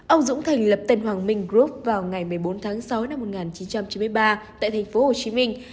ông dũng thành lập tân hoàng minh group vào ngày một mươi bốn tháng sáu năm một nghìn chín trăm chín mươi ba tại thành phố hồ chí minh